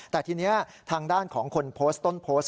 แต่ทีนี้ทางด้านของคนโพสต์ต้นโพสต์